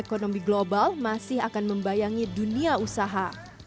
dan ekonomi global masih akan membayangi dunia usaha